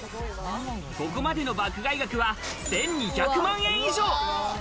ここまでの爆買い額は１２００万円以上。